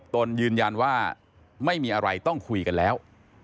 ตนยืนยันว่าไม่มีอะไรต้องคุยกันแล้ว